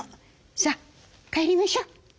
さあ帰りましょう。